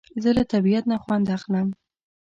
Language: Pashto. زه له طبیعت نه خوند اخلم